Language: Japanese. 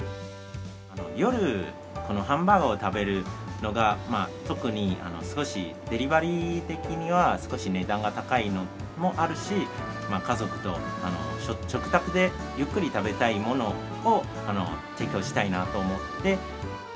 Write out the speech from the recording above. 夜、このハンバーガーを食べるのが、特に少しデリバリー的には少し値段が高いのもあるし、家族と食卓でゆっくり食べたいものを提供したいなと思って。